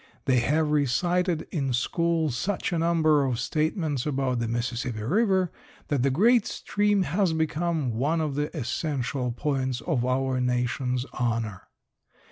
They have recited in school such a number of statements about the Mississippi river that the great stream has become one of the essential points of our nation's honor.